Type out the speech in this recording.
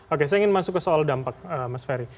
oke saya ingin masuk ke soal dampak mas ferry